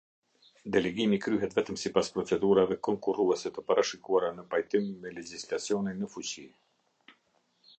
Delegimi kryhet vetëm sipas procedurave konkurruese të parashikuara në pajtim me legjislacionin në fuqi.